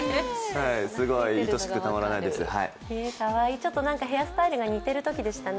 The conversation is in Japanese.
ちょっとヘアスタイルが似ているときでしたね。